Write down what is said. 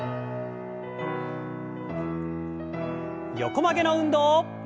横曲げの運動。